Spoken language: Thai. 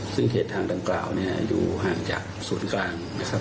ซึ่งเขตทางดังกล่าวเนี่ยอยู่ห่างจากศูนย์กลางนะครับ